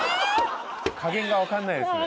加減が分かんないですね。